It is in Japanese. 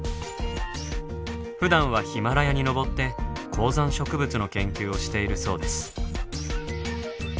ふだんはヒマラヤに登って高山植物の研究をしているそうです。